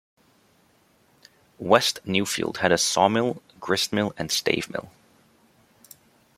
West Newfield had a sawmill, gristmill and stave mill.